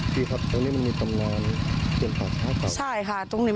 เป็นของกลมสิงค่ะ